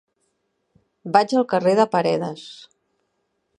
Vaig al carrer de Paredes.